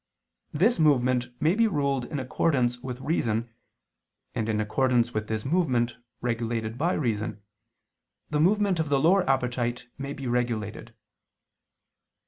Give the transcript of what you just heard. This movement may be ruled in accordance with reason, and in accordance with this movement regulated by reason, the movement of the lower appetite may be regulated.